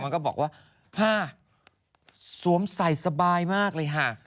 ก็บอกว่าสวมใส่สบายมากเลยนะฮะ